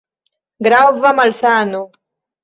Grava malsano!